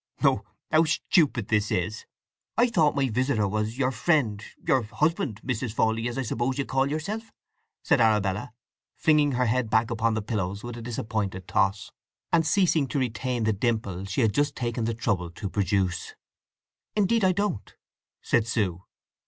"Oh—how stupid this is! I thought my visitor was—your friend—your husband—Mrs. Fawley, as I suppose you call yourself?" said Arabella, flinging her head back upon the pillows with a disappointed toss, and ceasing to retain the dimple she had just taken the trouble to produce. "Indeed I don't," said Sue.